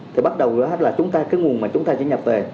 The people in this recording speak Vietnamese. thì bắt đầu là chúng ta cái nguồn mà chúng ta chỉ nhập về